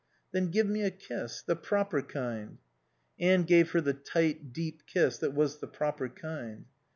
"Then give me a kiss. The proper kind." Anne gave her the tight, deep kiss that was the proper kind.